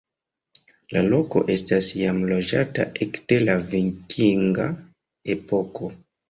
La loko estas jam loĝata ekde la vikinga epoko.